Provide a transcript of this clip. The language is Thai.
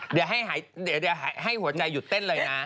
เดี๋ยวให้หัวใจหยุดเต้นเลยนะ